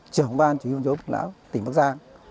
trưởng ban chủ yếu chống lão tỉnh bắc giang